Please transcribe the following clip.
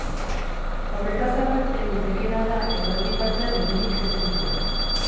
Horretaz aparte, litekeena da eguerdi partean euririk ez egitea.